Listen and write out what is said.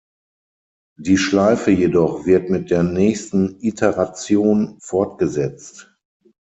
Die Schleife jedoch wird mit der nächsten Iteration fortgesetzt.